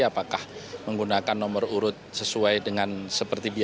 apakah menggunakan nomor urut sesuai dengan kepentingan kpu